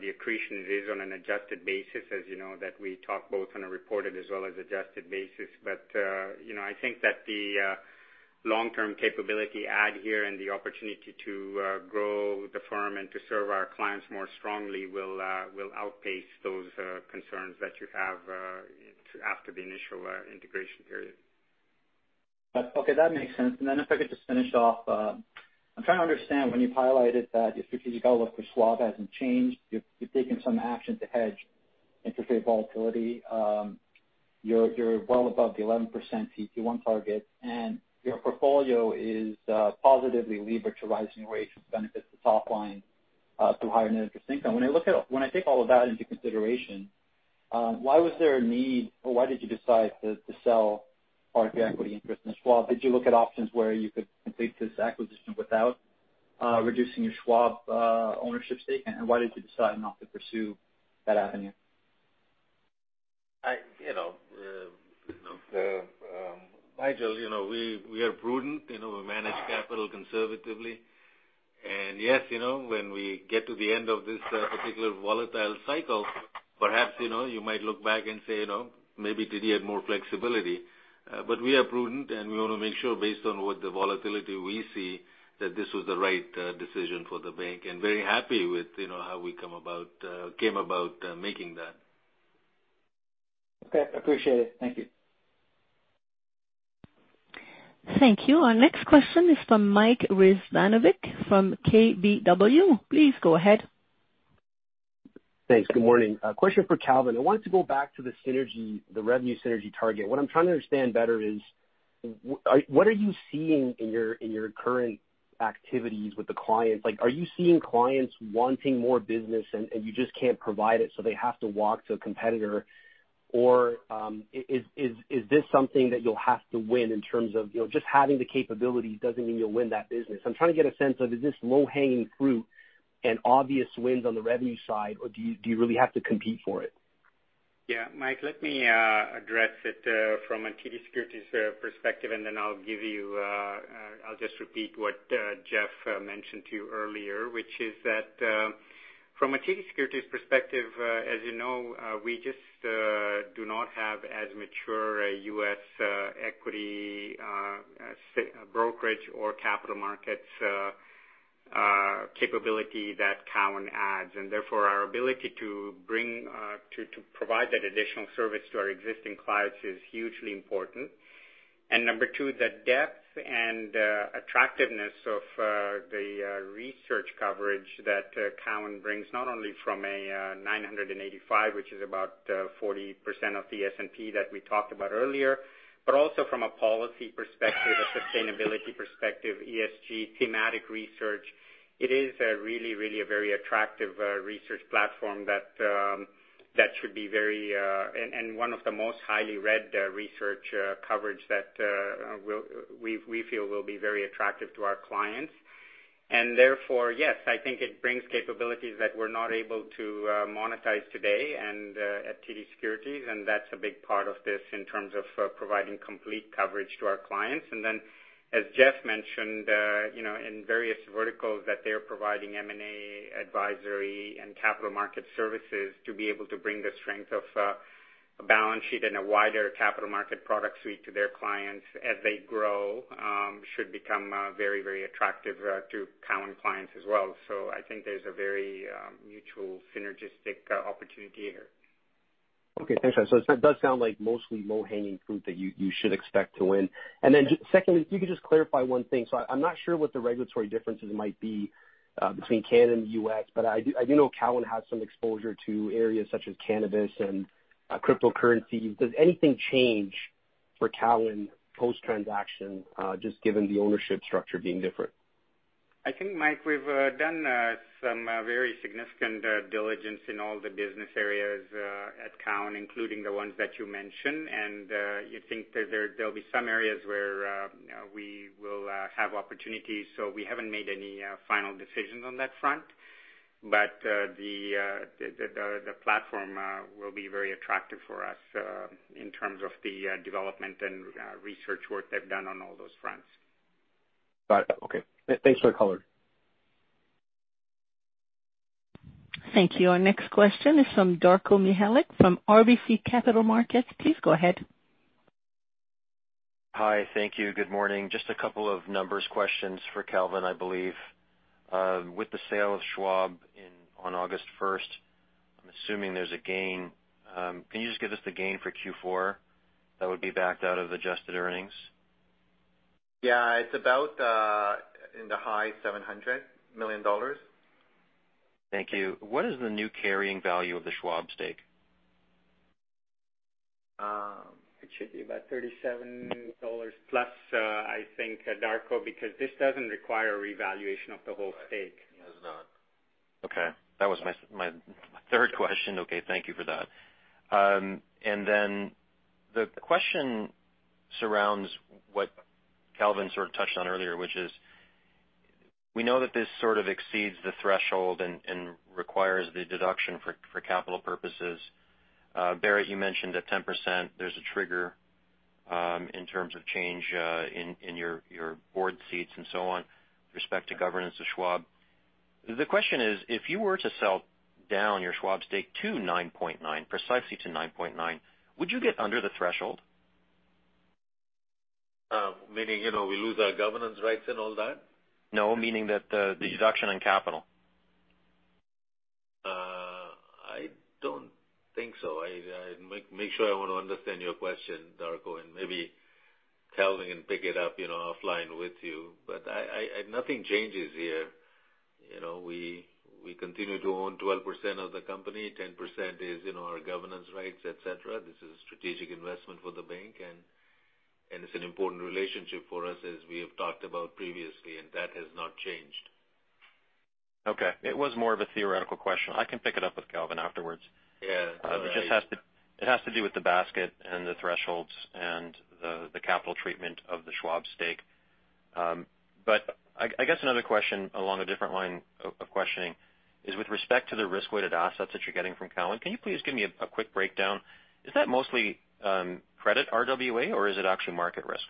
the accretion is on an adjusted basis, as you know, that we talk both on a reported as well as adjusted basis. You know, I think that the long-term capability add here and the opportunity to grow the firm and to serve our clients more strongly will outpace those concerns that you have after the initial integration period. Okay, that makes sense. If I could just finish off, I'm trying to understand when you highlighted that your strategic outlook for Schwab hasn't changed, you've taken some action to hedge interest rate volatility, you're well above the 11% CET1 target, and your portfolio is positively levered to rising rates, which benefits the top line through higher net interest income. When I take all of that into consideration, why was there a need or why did you decide to sell part of your equity interest in Schwab? Did you look at options where you could complete this acquisition without reducing your Schwab ownership stake, and why did you decide not to pursue that avenue? You know, Nigel, you know, we are prudent. You know, we manage capital conservatively. Yes, you know, when we get to the end of this particular volatile cycle, perhaps, you know, you might look back and say, "You know, maybe TD had more flexibility." But we are prudent, and we want to make sure based on what the volatility we see, that this was the right decision for the bank, and very happy with, you know, how we came about making that. Okay, appreciate it. Thank you. Thank you. Our next question is from Mike Rizvanovic from KBW. Please go ahead. Thanks. Good morning. A question for Kelvin. I wanted to go back to the synergy, the revenue synergy target. What I'm trying to understand better is what are you seeing in your current activities with the clients? Like, are you seeing clients wanting more business and you just can't provide it, so they have to walk to a competitor? Or, is this something that you'll have to win in terms of, you know, just having the capabilities doesn't mean you'll win that business. I'm trying to get a sense of, is this low-hanging fruit and obvious wins on the revenue side, or do you really have to compete for it? Yeah. Mike, let me address it from a TD Securities perspective, and then I'll just repeat what Jeff mentioned to you earlier, which is that from a TD Securities perspective, as you know, we just do not have as mature a U.S. equity brokerage or capital markets capability that Cowen adds, and therefore our ability to bring to provide that additional service to our existing clients is hugely important. Number two, the depth and attractiveness of the research coverage that Cowen brings, not only from a 985, which is about 40% of the S&P that we talked about earlier, but also from a policy perspective, a sustainability perspective, ESG, thematic research. It is really a very attractive research platform that should be very. One of the most highly read research coverage that we feel will be very attractive to our clients. Therefore, yes, I think it brings capabilities that we're not able to monetize today and at TD Securities, and that's a big part of this in terms of providing complete coverage to our clients. As Jeff mentioned, you know, in various verticals that they're providing M&A advisory and capital market services to be able to bring the strength of a balance sheet and a wider capital market product suite to their clients as they grow, should become very, very attractive to Cowen clients as well. I think there's a very mutual synergistic opportunity here. Okay. Thanks for that. It does sound like mostly low-hanging fruit that you should expect to win. Secondly, if you could just clarify one thing. I'm not sure what the regulatory differences might be between Canada and the U.S., but I do know Cowen has some exposure to areas such as cannabis and cryptocurrency. Does anything change for Cowen post-transaction just given the ownership structure being different? I think, Mike, we've done some very significant diligence in all the business areas at Cowen, including the ones that you mentioned. You'd think that there'll be some areas where we will have opportunities. We haven't made any final decisions on that front. The platform will be very attractive for us in terms of the development and research work they've done on all those fronts. Got it. Okay. Thanks for the color. Thank you. Our next question is from Darko Mihelic from RBC Capital Markets. Please go ahead. Hi. Thank you. Good morning. Just a couple of numbers questions for Kelvin, I believe. With the sale of Schwab on August first, I'm assuming there's a gain. Can you just give us the gain for Q4 that would be backed out of adjusted earnings? Yeah. It's about in the high $700 million. Thank you. What is the new carrying value of the Schwab stake? It should be about $37+, I think, Darko, because this doesn't require revaluation of the whole stake. Right. It does not. Okay. That was my third question. Okay, thank you for that. The question surrounds what Kelvin sort of touched on earlier, which is we know that this sort of exceeds the threshold and requires the deduction for capital purposes. Barry, you mentioned at 10% there's a trigger in terms of change in your board seats and so on with respect to governance of Schwab. The question is, if you were to sell down your Schwab stake to 9.9%, precisely to 9.9%, would you get under the threshold? Meaning, you know, we lose our governance rights and all that? No, meaning that the deduction in capital. I don't think so. I make sure I want to understand your question, Darko, and maybe Kelvin can pick it up, you know, offline with you. Nothing changes here. You know, we continue to own 12% of the company. 10% is, you know, our governance rights, et cetera. This is a strategic investment for the bank and it's an important relationship for us as we have talked about previously, and that has not changed. Okay. It was more of a theoretical question. I can pick it up with Kelvin afterwards. Yeah. It just has to do with the basket and the thresholds and the capital treatment of the Schwab stake. I guess another question along a different line of questioning is with respect to the risk-weighted assets that you're getting from Cowen. Can you please give me a quick breakdown? Is that mostly credit RWA or is it actually market risk?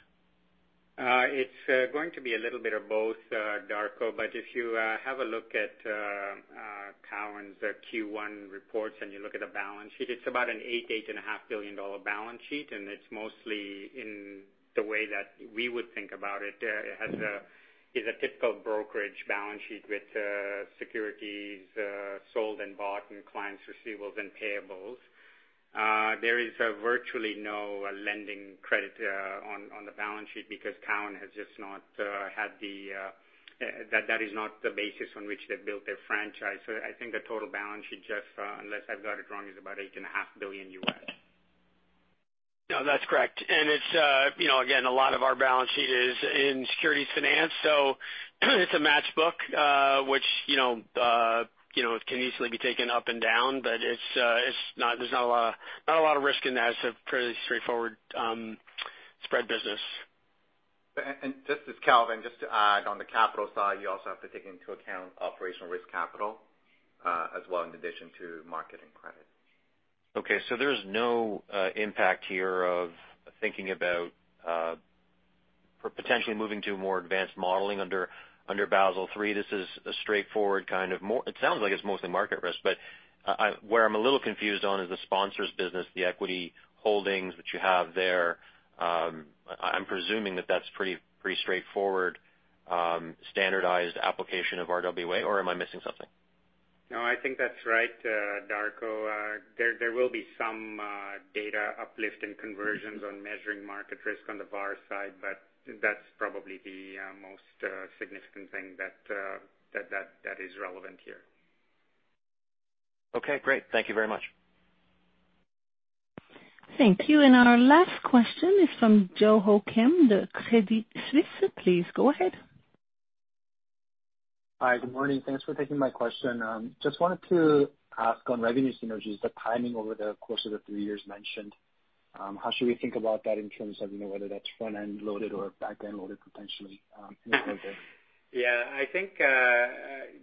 It's going to be a little bit of both, Darko. If you have a look at Cowen's Q1 reports and you look at the balance sheet, it's about an $8.5 billion balance sheet, and it's mostly in the way that we would think about it. It is a typical brokerage balance sheet with securities sold and bought and clients' receivables and payables. There is virtually no lending credit on the balance sheet because Cowen has just not had that is not the basis on which they've built their franchise. I think the total balance sheet just, unless I've got it wrong, is about $8.5 billion. No, that's correct. It's, you know, again, a lot of our balance sheet is in securities finance, so it's a matched book, which, you know, it can easily be taken up and down, but there's not a lot of risk in that. It's a pretty straightforward spread business. This is Kelvin. Just to add on the capital side, you also have to take into account operational risk capital, as well, in addition to market and credit. Okay, there's no impact here of thinking about for potentially moving to more advanced modeling under Basel III. This is a straightforward kind of. It sounds like it's mostly market risk, but where I'm a little confused on is the sponsors business, the equity holdings that you have there. I'm presuming that that's pretty straightforward standardized application of RWA, or am I missing something? No, I think that's right, Darko. There will be some data uplift and conversions on measuring market risk on the VAR side, but that's probably the most significant thing that is relevant here. Okay, great. Thank you very much. Thank you. Our last question is from Joo-Ho Kim, the Credit Suisse. Please go ahead. Hi. Good morning. Thanks for taking my question. Just wanted to ask on revenue synergies, the timing over the course of the three years mentioned, how should we think about that in terms of, you know, whether that's front-end loaded or back-end loaded potentially? Yeah, I think,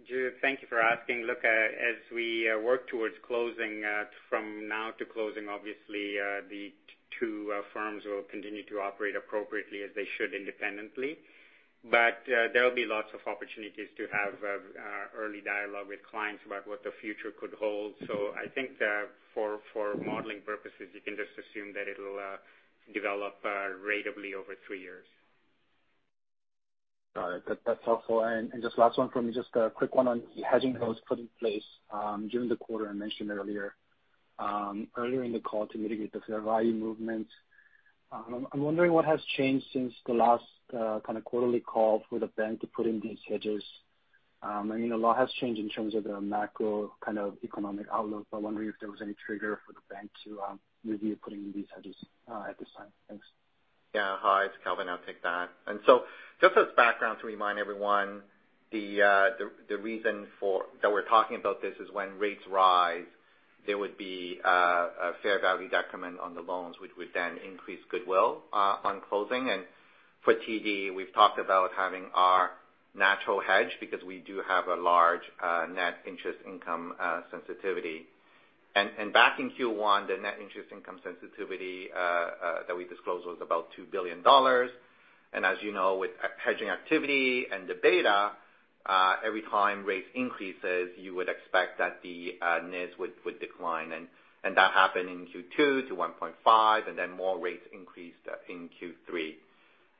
Joo, thank you for asking. Look, as we work towards closing, from now to closing, obviously, the two firms will continue to operate appropriately, as they should independently. There will be lots of opportunities to have early dialogue with clients about what the future could hold. I think that for modeling purposes, you can just assume that it'll develop ratably over three years. Got it. That's helpful. Just last one for me, just a quick one on hedging those put in place during the quarter I mentioned earlier. Earlier in the call to mitigate the fair value movement, I'm wondering what has changed since the last kind of quarterly call for the bank to put in these hedges. I mean, a lot has changed in terms of the macro kind of economic outlook, but I'm wondering if there was any trigger for the bank to review putting in these hedges at this time. Thanks. Yeah. Hi, it's Kelvin. I'll take that. Just as background to remind everyone the reason for that we're talking about this is when rates rise, there would be a fair value decrement on the loans, which would then increase goodwill on closing. For TD, we've talked about having our natural hedge because we do have a large net interest income sensitivity. Back in Q1, the net interest income sensitivity that we disclosed was about $2 billion. As you know, with hedging activity and the beta, every time rates increases, you would expect that the NIS would decline. That happened in Q2 to $1.5 billion, and then more rates increased in Q3.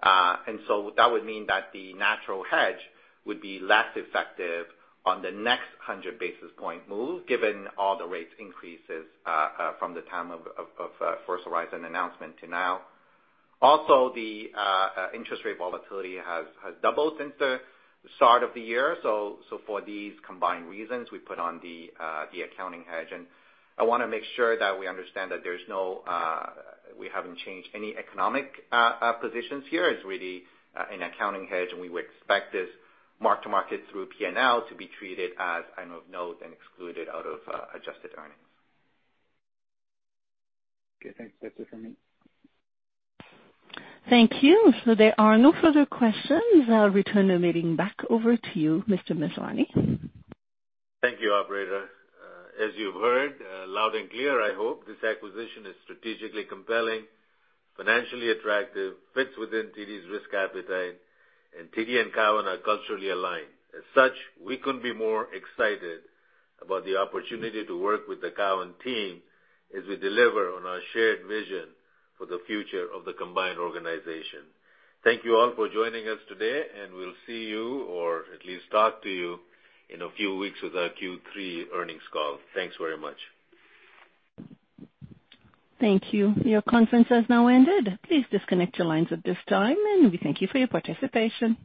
That would mean that the natural hedge would be less effective on the next 100 basis point move given all the rate increases from the time of First Horizon announcement to now. Also, interest rate volatility has doubled since the start of the year. For these combined reasons, we put on the accounting hedge. I wanna make sure that we understand that there's no, we haven't changed any economic positions here. It's really an accounting hedge, and we would expect this mark to market through P&L to be treated as item of note and excluded out of adjusted earnings. Okay, thanks. That's it from me. Thank you. There are no further questions. I'll return the meeting back over to you, Mr. Masrani. Thank you, operator. As you've heard, loud and clear, I hope this acquisition is strategically compelling, financially attractive, fits within TD's risk appetite, and TD and Cowen are culturally aligned. As such, we couldn't be more excited about the opportunity to work with the Cowen team as we deliver on our shared vision for the future of the combined organization. Thank you all for joining us today, and we'll see you, or at least talk to you in a few weeks with our Q3 earnings call. Thanks very much. Thank you. Your conference has now ended. Please disconnect your lines at this time, and we thank you for your participation.